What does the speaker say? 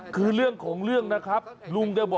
คือเรื่องของเรื่องนะครับ